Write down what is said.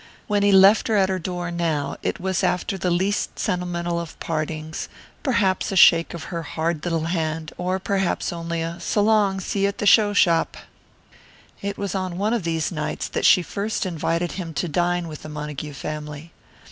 When he left her at her door now it was after the least sentimental of partings, perhaps a shake of her hard little hand, or perhaps only a "S'long see you at the show shop!" It was on one of these nights that she first invited him to dine with the Montague family.